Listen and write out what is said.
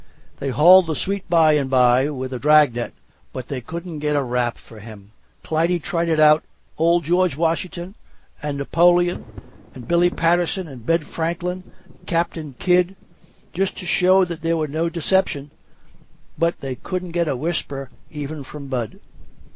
They hauled the Sweet By and By with a drag net, but they couldn't get a rap from him. Clytie trotted out George Washington, and Napoleon, and Billy Patterson, and Ben Franklin, and Captain Kidd, just to show that there was no deception, but they couldn't get a whisper even from Bud.